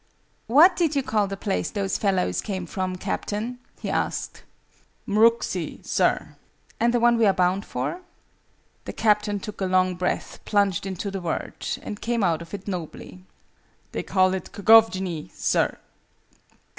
"What did you call the place those fellows came from, Captain?" he asked. "Mhruxi, sir." "And the one we are bound for?" The Captain took a long breath, plunged into the word, and came out of it nobly. "They call it Kgovjni, sir."